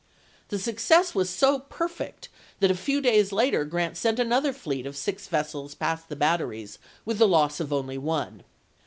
The success was so perfect that a chap.vi few days later Grant sent another fleet of six vessels past the batteries with the loss of only one.